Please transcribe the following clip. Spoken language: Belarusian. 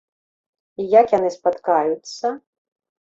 І як яны спаткаюцца?